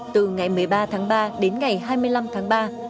từ ngày một mươi ba tháng ba đến ngày hai mươi năm tháng ba